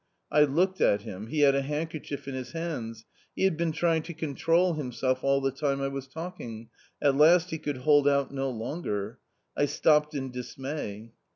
I looked at him, he had a handkerchief in his hands ; he had been trying to control himself all the time I was talking, at last he could hold out no longer. I stopped in dismay.